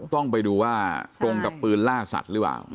ต้องไปดูว่าตรงกับปืนล่าสัตว์หรือเปล่า